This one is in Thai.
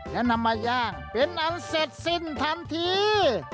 และนำมาย่างเป็นอันเสร็จสิ้นทันที